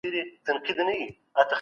د حقوقو ټولنپوهنه له قانون سره کار لري.